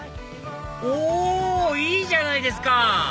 おいいじゃないですか！